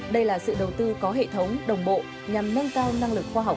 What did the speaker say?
đây là sự đầu tư có hệ thống đồng bộ nhằm nâng cao năng lực khoa học